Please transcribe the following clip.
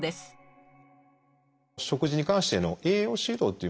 食事に関しての栄養指導というもの。